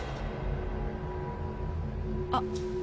あっ！